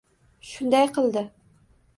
shunday qildi.